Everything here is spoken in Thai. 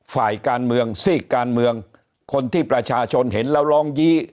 ฝ่ายการเมืองซีกการเมืองคนที่ประชาชนเห็นแล้วร้องยี้